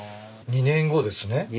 ２年後です。